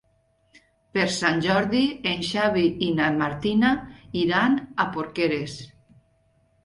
Per Sant Jordi en Xavi i na Martina iran a Porqueres.